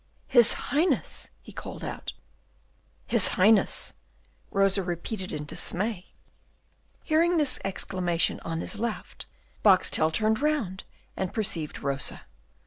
"His Highness!" he called out. "His Highness!" Rosa repeated in dismay. Hearing this exclamation on his left, Boxtel turned round, and perceived Rosa.